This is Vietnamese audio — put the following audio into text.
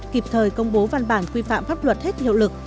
kịp thời công bố văn bản quy phạm pháp luật hết hiệu lực